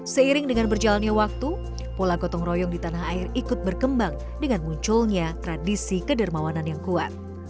seiring dengan berjalannya waktu pola gotong royong di tanah air ikut berkembang dengan munculnya tradisi kedermawanan yang kuat